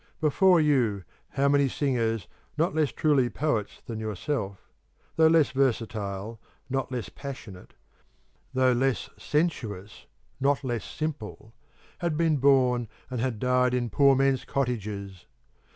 Before you how many singers not less truly poets than yourself though less versatile not less passionate, though less sensuous not less simple had been born and had died in poor men's cottages!